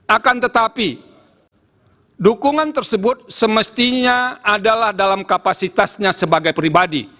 akan tetapi dukungan tersebut semestinya adalah dalam kapasitasnya sebagai pribadi